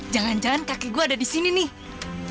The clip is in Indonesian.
jangan jangan kakek gua ada di sini nih